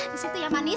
di situ ya manis